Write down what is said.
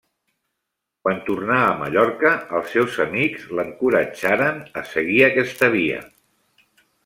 Quan tornà a Mallorca, els seus amics l'encoratjaren a seguir aquesta via.